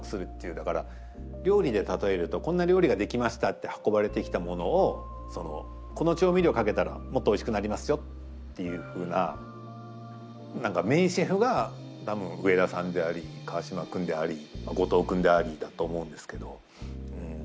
だから料理で例えるとこんな料理が出来ましたって運ばれてきたものをこの調味料かけたらもっとおいしくなりますよっていうふうな何か名シェフが多分上田さんであり川島君であり後藤君でありだと思うんですけど。